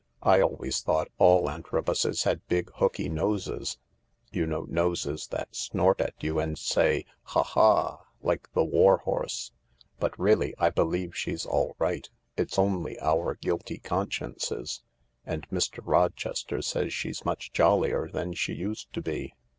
"7 always thought all Antrobuses had big, hooky noses. You know, noses that snort at you, and say, ' Ha, hal ' like the THE LARK 253 war horse. But really I believe she's all right. It's only our guilty consciences. And Mr. Rochester says she's much jollier than she used to be."